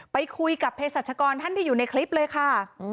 ไปคุยกับเพศรัชกรท่านที่อยู่ในคลิปเลยค่ะ